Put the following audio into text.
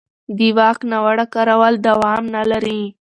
د واک ناوړه کارول دوام نه لري